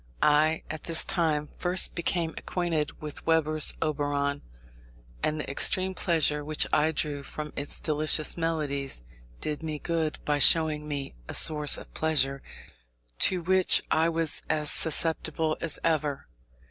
I at this time first became acquainted with Weber's Oberon, and the extreme pleasure which I drew from its delicious melodies did me good by showing me a source of pleasure to which I was as susceptible as ever.